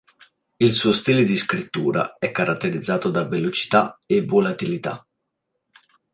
Il suo stile di scrittura è caratterizzato da velocità e volatilità.